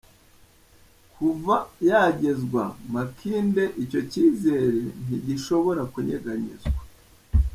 Kuva yagezwa Makindye icyo cyizere ntigishobora kunyeganyezwa.”